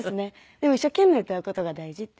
でも一生懸命歌う事が大事って。